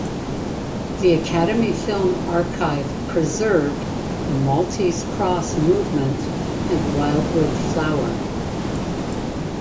The Academy Film Archive preserved "The Maltese Cross Movement" and "Wildwood Flower".